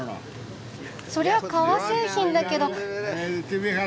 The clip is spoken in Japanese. そりゃ革製品だけど。